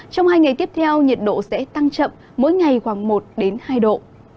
trong hai ngày tiếp theo nhiệt độ sẽ tăng chậm mỗi ngày khoảng một hai độ